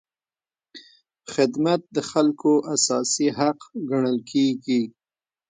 خدمت د خلکو اساسي حق ګڼل کېږي.